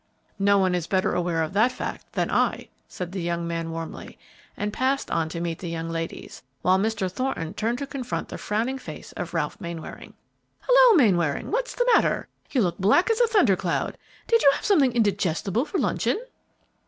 "No one is better aware of that fact than I," said the young man, warmly, and passed on to meet the young ladies, while Mr. Thornton turned to confront the frowning face of Ralph Mainwaring. "Hello, Mainwaring! What's the matter? You look black as a thunder cloud! Did you have something indigestible for luncheon?"